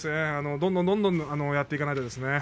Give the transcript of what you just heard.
どんどんどんどんやっていかないとですね